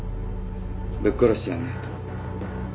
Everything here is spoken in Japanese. ぶっ殺してやんないと。